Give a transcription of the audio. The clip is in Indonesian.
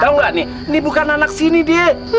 tau gak nih ini bukan anak sini dia